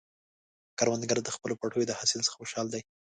کروندګر د خپلو پټیو د حاصل څخه خوشحال دی